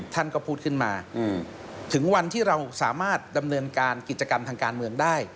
ท่านก็พูดขึ้นมาถึงวันที่เราสามารถดำเนินการกิจกรรมทางการเมืองได้